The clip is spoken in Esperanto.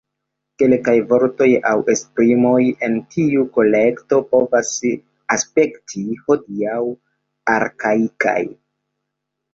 Kelkaj vortoj aŭ esprimoj en tiu kolekto povas aspekti hodiaŭ arkaikaj.